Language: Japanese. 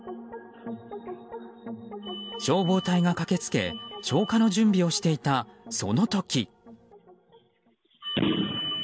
消防隊が駆けつけ消火の準備をしていた、その時。